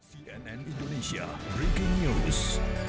cnn indonesia breaking news